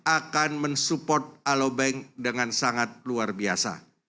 akan mensupport alo bank dengan sangat luar biasa